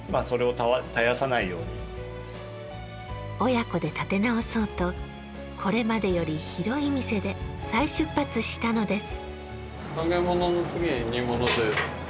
親子で立て直そうとこれまでより広い店で再出発したのです。